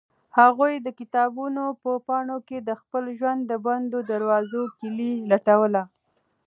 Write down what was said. هغوی د کتابونو په پاڼو کې د خپل ژوند د بندو دروازو کیلي لټوله.